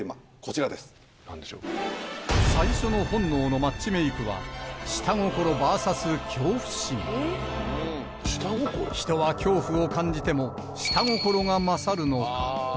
最初の本能のマッチメイクは人は恐怖を感じても下心が勝るのか？